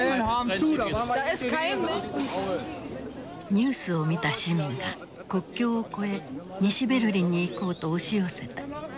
ニュースを見た市民が国境を越え西ベルリンに行こうと押し寄せた。